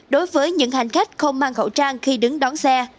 đối với những hành khách không mang khẩu trang khi đứng đón xe